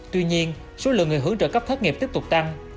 tuy nhiên số lượng người hưởng trợ cấp thất nghiệp tiếp tục tăng